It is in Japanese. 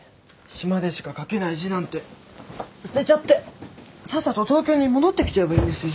島でしか書けない字なんて捨てちゃってさっさと東京に戻ってきちゃえばいいんですよ。